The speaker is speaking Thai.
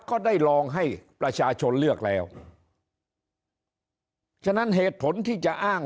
ก็ได้ลองให้ประชาชนเลือกแล้วฉะนั้นเหตุผลที่จะอ้าง